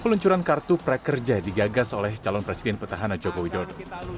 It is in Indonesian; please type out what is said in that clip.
peluncuran kartu prakerja digagas oleh calon presiden petahana joko widodo